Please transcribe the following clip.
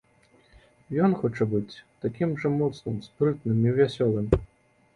Ён хоча быць такім жа моцным, спрытным і вясёлым.